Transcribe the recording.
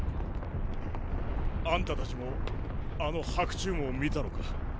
あんたたちもあの白昼夢を見たのか？